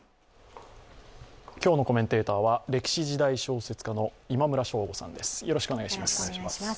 今日のコメンテーターは歴史・時代小説家の今村翔吾さんです。